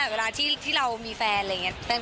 เวลาที่เรามีแฟน